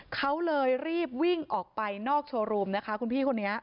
เขาเลยรีบวิ่งออกไปนอกโชว์รูมนะคะคุณพี่คนนี้